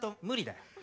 無理だよ。